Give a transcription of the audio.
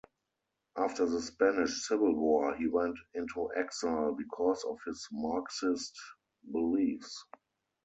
After the Spanish Civil War, he went into exile because of his Marxist beliefs.